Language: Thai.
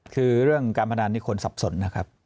คือเรื่องการพนันนี่คนสับสนนะครับ